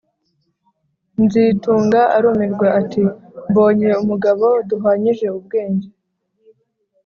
Nzitunga arumirwa ati: “Mbonye umugabo duhwanyije ubwenge